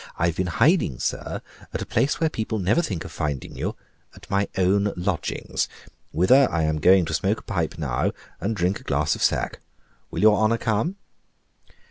I have been hiding, sir, at a place where people never think of finding you at my own lodgings, whither I am going to smoke a pipe now and drink a glass of sack: will your honor come?"